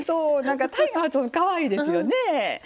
タイの発音かわいいですよね。